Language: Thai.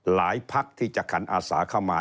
พักที่จะขันอาสาเข้ามา